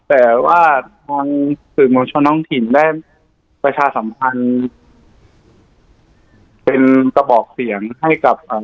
แต่ว่าทางสื่อโมชนห้องถิ่นได้ประชาสำคัญเป็นตะบอกเสี่ยงให้กับอ่า